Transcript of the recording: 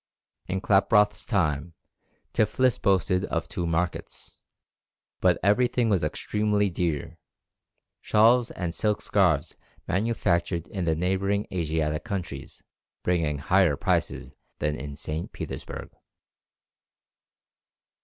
In Klaproth's time Tiflis boasted of two markets, but everything was extremely dear, shawls and silk scarves manufactured in the neighbouring Asiatic countries bringing higher prices than in St. Petersburg.